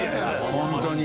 本当に。